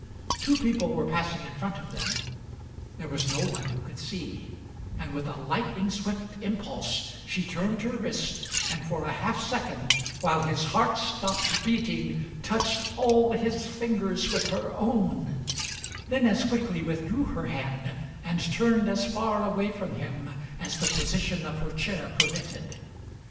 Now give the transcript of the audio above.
Two people were passing in front of them; there was no one who could see; and with a lightning swift impulse she turned her wrist and for a half second, while his heart stopped beating, touched all his fingers with her own, then as quickly withdrew her hand and turned as far away from him as the position of her chair permitted.